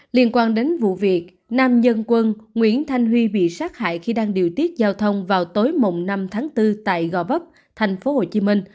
liên quan đến vụ việc nam dân quân nguyễn thanh huy bị sát hại khi đang điều tiết giao thông vào tối mộng năm tháng bốn tại gò vấp tp hcm